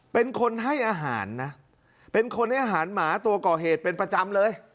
เป็นคนให้อาหารนะเป็นคนให้อาหารหมาตัวก่อเหตุเป็นประจำเลย